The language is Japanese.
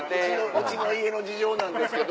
うちの家の事情なんですけど。